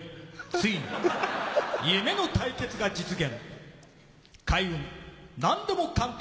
ついに夢の対決が実現。